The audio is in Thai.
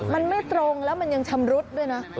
มันไม่ตรงแล้วมันยังชำรุดด้วยนะ